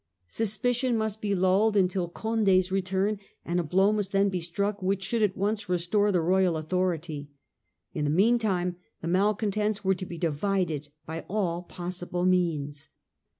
Suspicion must be lulled until Condos return, and a blow must then be struck which should at once restore the royal authority. In the meantime the malcontents were to be divided by all possible means.